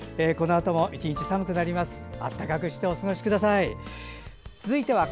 このあとも１日寒くなります。